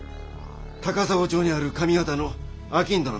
高砂町にある上方の商人の別宅だ。